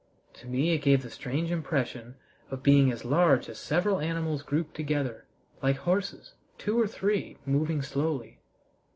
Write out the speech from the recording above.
To me it gave the strange impression of being as large as several animals grouped together, like horses, two or three, moving slowly.